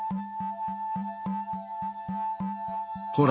ほら！